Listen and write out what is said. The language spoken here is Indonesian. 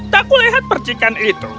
tak kulihat percikan itu